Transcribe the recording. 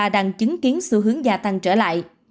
đang chứng kiến xu hướng gia tăng trở lại